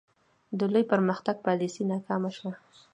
د لوی پرمختګ پالیسي ناکامه شوه.